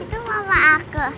itu mama aku